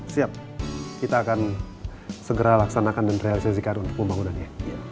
siap kita akan segera laksanakan dan realisasikan untuk pembangunannya